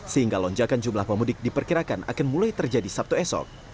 sehingga lonjakan jumlah pemudik diperkirakan akan mulai terjadi sabtu esok